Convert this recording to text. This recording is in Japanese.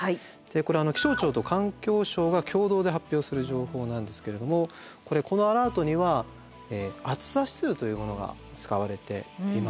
気象庁と環境省が共同で発表する情報なんですけれどもこのアラートには暑さ指数というものが使われています。